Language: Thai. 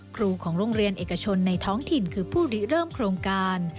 ครูของโรงเรียนเอกชนในท้องถิ่นคือผู้ริเริ่มโครงการ